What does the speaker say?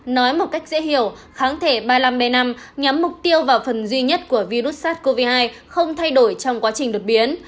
nói một cách dễ hiểu kháng thể ba mươi năm b năm nhắm mục tiêu vào phần duy nhất của virus sars cov hai không thay đổi trong quá trình đột biến